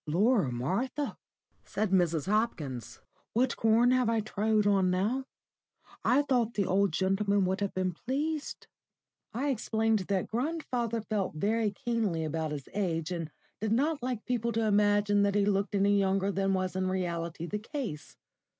"Lor, Martha!" said Mrs. Hopkins. "What corn have I trod on now? I thought the old gentleman would have been pleased." I explained that grandfather felt very keenly about his age, and did not like people to imagine that he looked any younger than was in reality the case.